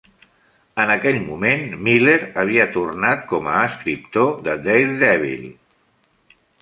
En aquell moment, Miller havia tornat com a escriptor de "Daredevil".